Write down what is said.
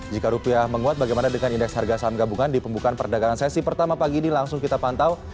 jika rupiah menguat bagaimana dengan indeks harga saham gabungan di pembukaan perdagangan sesi pertama pagi ini langsung kita pantau